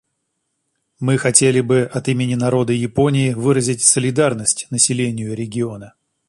Мы хотели бы от имени народа Японии выразить солидарность населению региона.